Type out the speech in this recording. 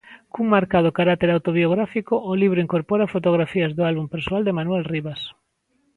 Cun marcado carácter autobiográfico, o libro incorpora fotografías do álbum persoal de Manuel Rivas.